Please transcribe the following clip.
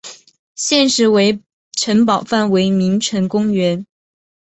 现时为城堡范围为名城公园。